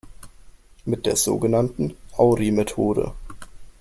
Mit der sogenannten Auri-Methode.